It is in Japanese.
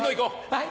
はい。